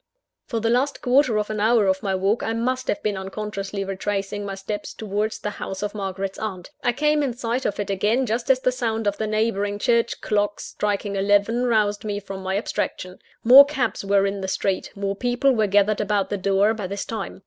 For the last quarter of an hour of my walk, I must have been unconsciously retracing my steps towards the house of Margaret's aunt. I came in sight of it again, just as the sound of the neighbouring church clocks, striking eleven, roused me from my abstraction. More cabs were in the street; more people were gathered about the door, by this time.